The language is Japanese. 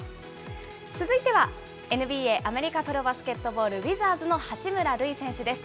続いては、ＮＢＡ・アメリカプロバスケットボール・ウィザーズの八村塁選手です。